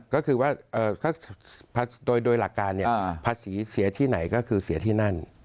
ก็คือว่าโดยหลักการภาษีเสียที่ไหนก็คือเสียที่นั่น